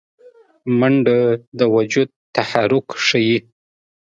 منډه د وجود تحرک ښيي